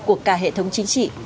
của cả hệ thống chính trị